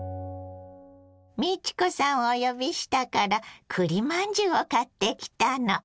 美智子さんをお呼びしたからくりまんじゅうを買ってきたの。